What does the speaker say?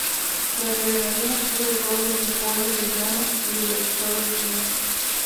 La peregrinación acude de todos los rincones del Llano y de los Estados vecinos.